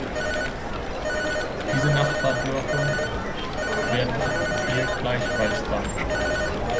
Diese Nachbardörfer werden hier gleichfalls dargestellt.